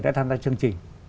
đã tham gia chương trình